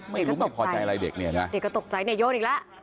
ไม่รู้ไม่พอใจอะไรเด็กนี้ตกใจตกใจโยนอีกแล้ว